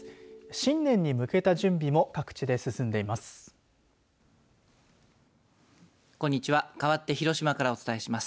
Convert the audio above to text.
新年に向けた準備も各地で進んでいます。